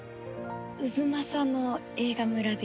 太秦の映画村です。